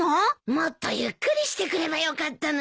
もっとゆっくりしてくればよかったのに。